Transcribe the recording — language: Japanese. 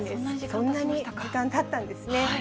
そんなに時間たったんですね。